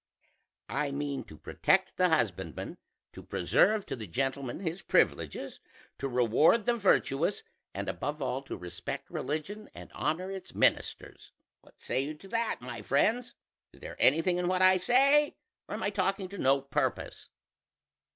I mean to protect the husbandman, to preserve to the gentleman his privileges, to reward the virtuous, and above all to respect religion and honor its ministers. What say you to that, my friends? Is there anything in what I say, or am I talking to no purpose?"